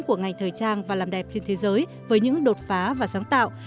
của ngành thời trang và làm đẹp trên thế giới với những đột phá và sáng tạo